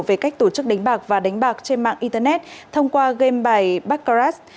về cách tổ chức đánh bạc và đánh bạc trên mạng internet thông qua game bài baccarag